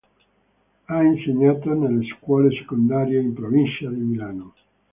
Ha insegnato nelle scuole secondarie in provincia di Milano.